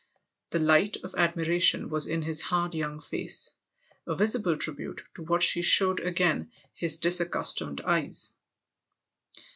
The light of admiration was in his hard young face a visible tribute to what she showed again his disaccustomed eyes.